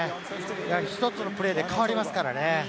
やはり一つのプレーで変わりますからね。